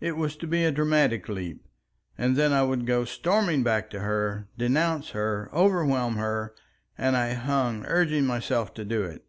It was to be a dramatic leap, and then I would go storming back to her, denounce her, overwhelm her; and I hung, urging myself to do it.